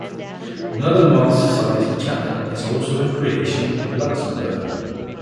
Another Mars Society Chapter is also in creation in Luxembourg.